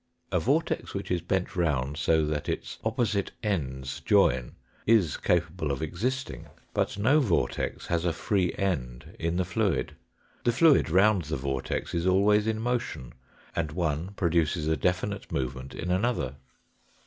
A vortex which is bent round so that its opposite ends join is capable of existing, but no vortex has a free end in RECAPITULATION AND EXTENSION 219 the fluid. The fluid round the vortex is always in motion, and one produces a definite movement in another.